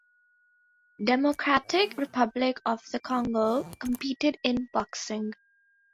Democratic Republic of the Congo competed in boxing.